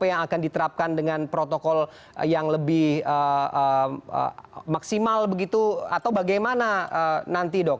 apa yang akan diterapkan dengan protokol yang lebih maksimal begitu atau bagaimana nanti dok